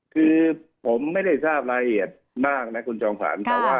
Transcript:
คือผมไม่ได้ทราบรายละเอียดมากนะคุณจอมขวัญ